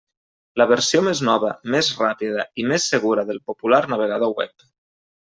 La versió més nova, més ràpida i més segura del popular navegador web.